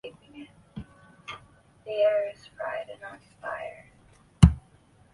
圣若瑟教堂是位于法国北部城市勒阿弗尔的一座罗马天主教的教堂。